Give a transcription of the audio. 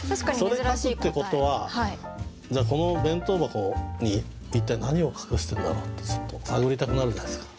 それ書くってことはじゃあこの弁当箱に一体何を隠してんだろうってちょっと探りたくなるじゃないですか。